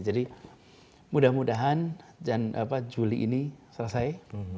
jadi mudah mudahan juli ini selesai